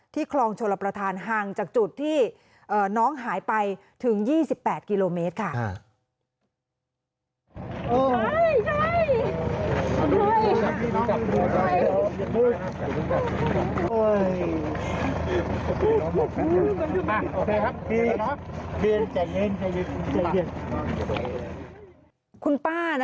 คลองชลประธานห่างจากจุดที่น้องหายไปถึง๒๘กิโลเมตรค่ะ